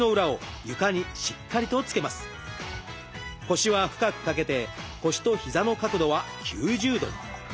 腰は深く掛けて腰と膝の角度は９０度。